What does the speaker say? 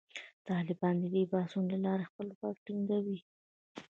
طالبان د دې بحثونو له لارې خپل واک ټینګوي.